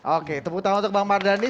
oke tepuk tangan untuk bang mardhani